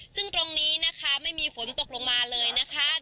ซึ่งตรงนี้นะคะไม่มีฝนตกลงมาเลยนะคะ